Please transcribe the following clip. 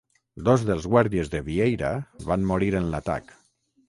Dos dels guàrdies de Vieira van morir en l'atac.